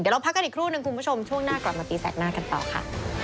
เราพักกันอีกครู่นึงคุณผู้ชมช่วงหน้ากลับมาตีแสกหน้ากันต่อค่ะ